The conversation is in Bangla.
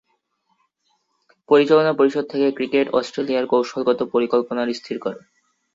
পরিচালনা পরিষদ থেকে ক্রিকেট অস্ট্রেলিয়ার কৌশলগত পরিকল্পনার স্থির করে।